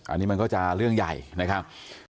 อันนี้มันก็จะเรื่องใหญ่นะครับ